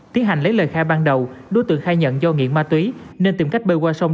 tiến hành lấy lời khai ban đầu đối tượng khai nhận do nghiện ma túy nên tìm cách bơi qua sông